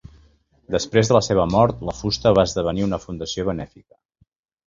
Després de la seva mort, la fusta va esdevenir una fundació benèfica.